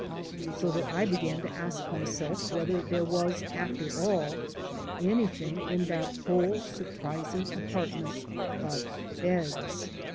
So that I began to ask myself whether there was, after all, anything in that whole surprising apartment but beds.